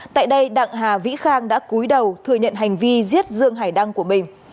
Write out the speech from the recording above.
tại đây đặng hà vĩ khang đã cúi đầu thừa nhận hành vi giết dương hải đăng của mình